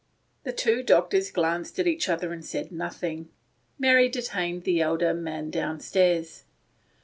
The two doctors glanced at each other and said nothing. Mary detained the elder man downstairs.